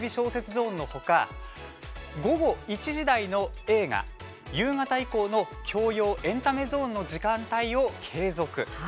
ゾーンの他午後１時台の映画、夕方以降の教養、エンタメゾーンの時間帯を継続。